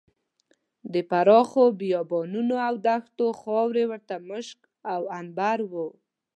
د پراخو بیابانونو او دښتونو خاورې ورته مشک او عنبر وو.